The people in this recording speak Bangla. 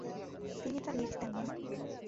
তিনি তা লিখতেন না।